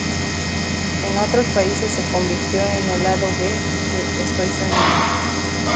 En otros países se convirtió en el lado B de "Estoy soñando".